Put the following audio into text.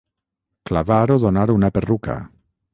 Clavar o donar una perruca.